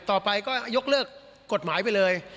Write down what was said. ต่อไปก็ยกเลิกกฎหมายไปเลย